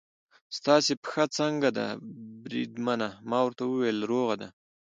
ستاسې پښه څنګه ده بریدمنه؟ ما ورته وویل: روغه ده.